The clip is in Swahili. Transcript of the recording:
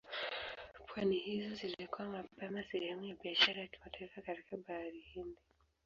Pwani hizo zilikuwa mapema sehemu ya biashara ya kimataifa katika Bahari Hindi.